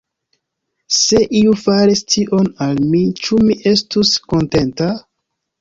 Se iu faris tion al mi, ĉu mi estus kontenta?